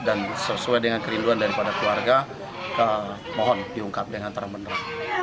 dan sesuai dengan kerinduan daripada keluarga mohon diungkap dengan terang benar